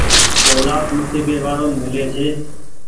اولآد نسيبي وآڙون ميلي ڇي۔